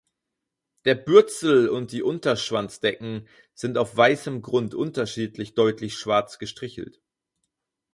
Der Bürzel und die Unterschwanzdecken sind auf weißem Grund unterschiedlich deutlich schwarz gestrichelt.